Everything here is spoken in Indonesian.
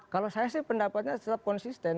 kalau saya sih pendapatnya tetap konsisten